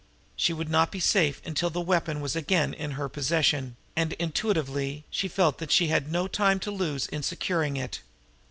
She would not feel safe until the weapon was again in her possession, and intuitively she felt that she had no time to lose in securing it.